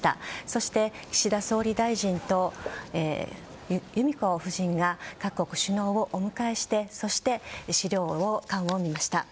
そして岸田総理大臣と裕子夫人が各国首脳をお迎えしてそして、資料館を見ました。